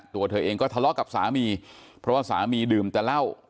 ตัวเธอเองก็ทะเลาะกับสามีเพราะว่าสามีดื่มแต่เหล้า